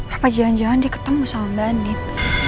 apa jangan jangan dia ketemu sama mba nien